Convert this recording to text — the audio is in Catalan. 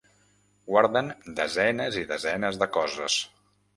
Guarden desenes i desenes de coses.